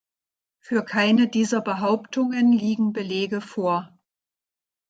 Für keine dieser Behauptungen liegen Belege vor.